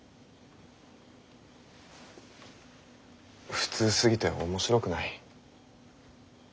普通すぎて面白くない。